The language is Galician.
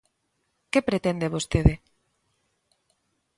¿Que pretende vostede?